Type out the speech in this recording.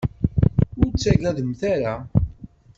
Ur ttagademt ara.